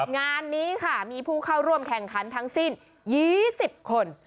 งานนี้ค่ะมีผู้เข้าร่วมแข่งขันทั้งสิ้น๒๐คน